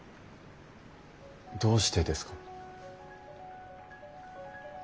どうしてですか？